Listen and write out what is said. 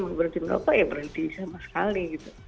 mau berhenti merokok ya berhenti sama sekali gitu